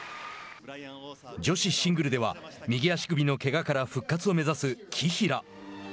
女子シングルでは右足首のけがから復活を目指す紀平。